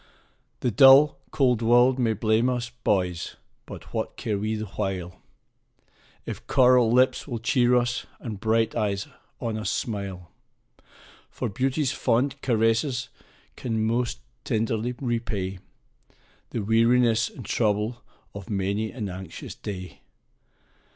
The dull, cold world may blame us, boys! but what care we the while, If coral lips will cheer us, and bright eyes on us smile? For beauty's fond caresses can most tenderly repay The weariness and trouble of many an anxious day.